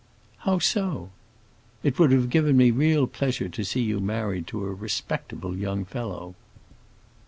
"How so?" "It would have given me real pleasure to see you married to a respectable young fellow."